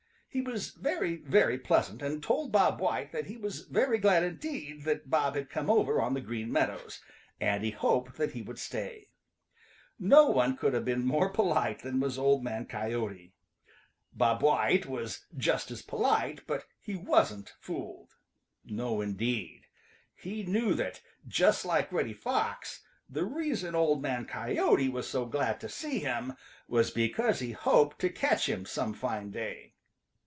He was very, very pleasant and told Bob White that he was very glad indeed that Bob had come over on the Green Meadows, and he hoped that he would stay. No one could have been more polite than was Old Man Coyote. Bob White was just as polite, but he wasn't fooled. No, indeed. He knew that, just like Reddy Fox, the reason Old Man Coyote was so glad to see him was because he hoped to catch him some fine day.